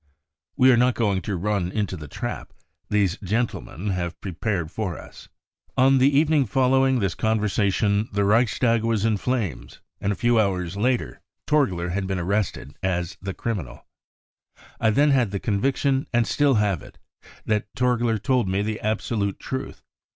We are not going to run into the trap these gentlemen have prepared for us. J ,)\ 44 On the evening following this conversation the Reichstag was in flames, and a few hours later Torgler had been arrested as the 4 criminal.' I then had the conviction, and still have it, that Torgler told me the absolute truth.